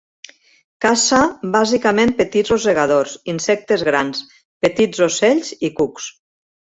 Caça bàsicament petits rosegadors, insectes grans, petits ocells i cucs.